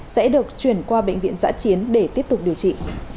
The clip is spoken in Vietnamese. sẽ được chuyển qua bệnh viện giã chiến để tiếp tục điều trị